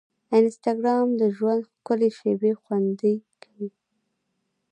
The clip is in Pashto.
انسټاګرام د ژوند ښکلي شېبې خوندي کوي.